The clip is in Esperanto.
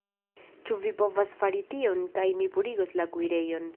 Ĉu vi povas fari tion kaj mi purigos la kuirejon